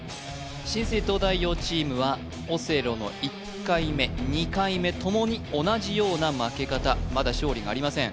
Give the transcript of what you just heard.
新生東大王チームはオセロの１回目２回目ともに同じような負け方まだ勝利がありません